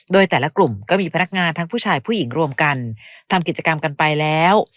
โดยแต่ละกลุ่มก็มีพนักงานทั้งผู้ชายผู้หญิงรวมกันทำกิจกรรมกันไปแล้ว